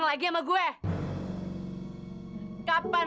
dadah aja deh kamuli